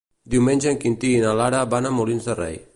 Diumenge en Quintí i na Lara van a Molins de Rei.